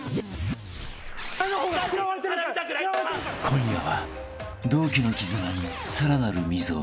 ［今夜は同期の絆にさらなる溝が］